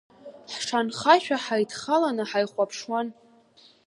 Ҳшанхашәа ҳаидхаланы ҳаихәаԥшуан.